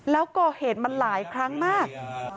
เรากอเหตุมาหลายครั้งมาก